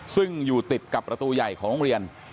ซึ่งอยู่ติดกับประตูใหญ่ของโรงเรียน